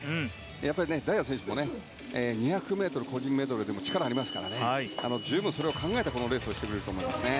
やっぱり大也選手も２００ｍ個人メドレーでも力がありますから十分、それを考えてこのレースをしてくれると思いますね。